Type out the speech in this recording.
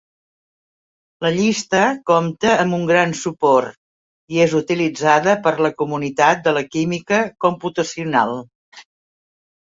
La llista compta amb un gran suport i és utilitzada per la comunitat de la química computacional.